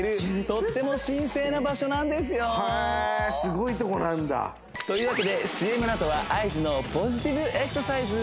とっても神聖な場所なんですよへえすごいところなんだというわけでＣＭのあとはＩＧのポジティブエクササイズ